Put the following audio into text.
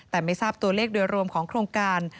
แต่ไม่ทราบตัวเลขโดยรวมของโครงการ